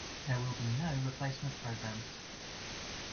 There will be no replacement programs.